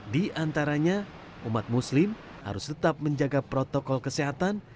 di antaranya umat muslim harus tetap menjaga protokol kesehatan